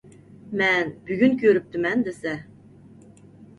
مەن بۈگۈن كۆرۈپتىمەن دېسە.